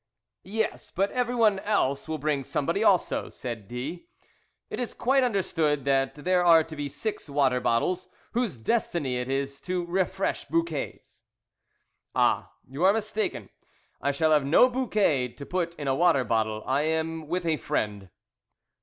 "Yes; but everyone else will bring somebody also," said D . "It is quite understood that there are to be six water bottles, whose destiny it is to refresh bouquets." "Ah, you are mistaken. I shall have no bouquet to put in a water bottle; I am with a friend."